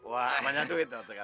wah namanya duit loh